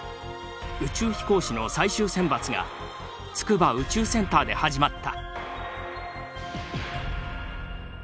宇宙飛行士の最終選抜が筑波宇宙センターで始まった。